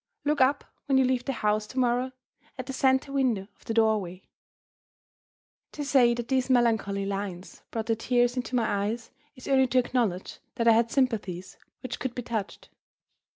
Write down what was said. Look up, when you leave the house to morrow, at the center window over the doorway that will be answer enough." To say that these melancholy lines brought the tears into my eyes is only to acknowledge that I had sympathies which could be touched.